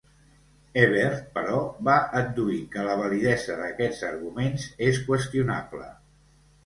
Ebert, però, va adduir que la validesa d'aquestes arguments és qüestionable.